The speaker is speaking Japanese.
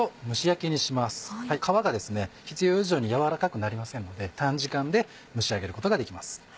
皮が必要以上に軟らかくなりませんので短時間で蒸し上げることができます。